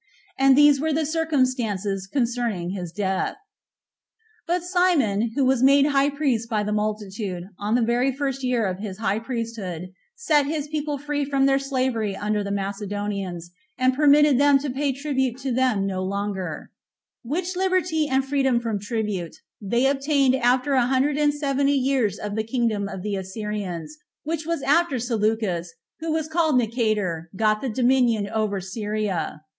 And these were the circumstances that concerned his death. 7. But Simon, who was made high priest by the multitude, on the very first year of his high priesthood set his people free from their slavery under the Macedonians, and permitted them to pay tribute to them no longer; which liberty and freedom from tribute they obtained after a hundred and seventy years 14 of the kingdom of the Assyrians, which was after Seleucus, who was called Nicator, got the dominion over Syria.